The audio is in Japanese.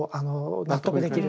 納得できる。